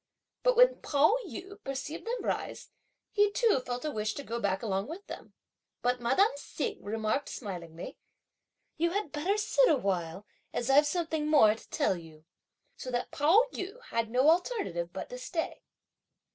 But when Pao yü perceived them rise, he too felt a wish to go back along with them, but madame Hsing remarked smilingly, "You had better sit a while as I've something more to tell you," so that Pao yü had no alternative but to stay.